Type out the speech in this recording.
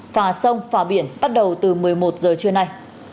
phà sông phà biển bắt đầu từ một mươi một giờ trưa nay